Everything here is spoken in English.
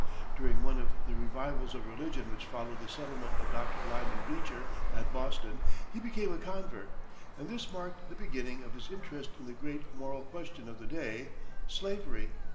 During one of the revivals of religion which followed the settlement of Dr. Lyman Beecher at Boston, he became a convert, and this marked the beginning of his interest in the great moral question of the day, slavery.